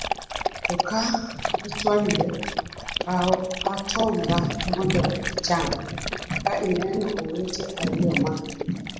To ka gichwanyore, kaw atonga mondo icham. Ka ineno owete ariyo ma